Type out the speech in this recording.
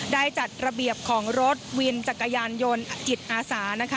ได้จัดระเบียบของรถวินจักรยานยนต์จิตอาสานะคะ